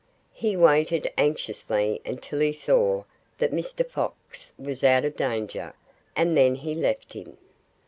He waited anxiously until he saw that Mr. Fox was out of danger. And then he left him.